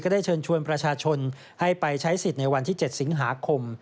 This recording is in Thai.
ได้เชิญชวนประชาชนให้ไปใช้สิทธิ์ในวันที่๗สิงหาคม